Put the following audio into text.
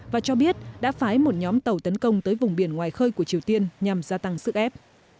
và cho biết đã phái một nhóm tàu tấn công tới vùng biển ngoài khơi của triều tiên nhằm gia tăng sức ép